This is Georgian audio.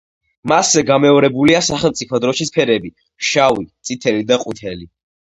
მასზე გამეორებულია სახელმწიფო დროშის ფერები: შავი, წითელი და ყვითელი.